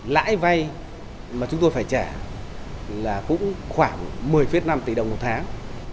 lãi vay mà chúng tôi phải trả là cũng khoảng một mươi năm tỷ đồng một tháng